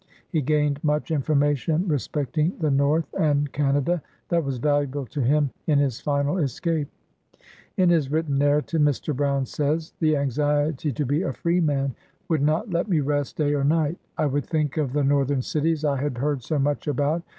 He gained much information respecting the North and Canada, that was valuable to him in his final escape. In his written narrative. Mr. Brown says. — "The anxiety to be a freeman would not let me rest day nor night. I would think of the Northern cities I had heard so much about.